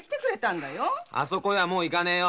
あそこはもう行かねえよ。